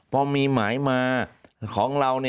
เพราะมีหมายมาของเรา